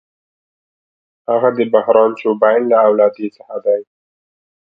هغه د بهرام چوبین له اولادې څخه دی.